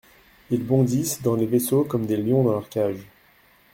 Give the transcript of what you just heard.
Ils bondissent dans les vaisseaux comme des lions dans leur cage.